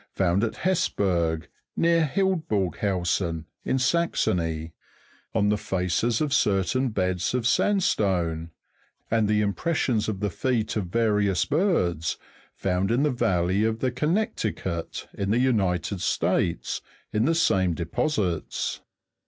251) found at Hess berg, near Hildburghausen, in Saxony, on the faces of certain beds of sand stone, and the impressions of the feet of various birds, found in the valley of the Connecticut, in the United States, in the same deposits (fig.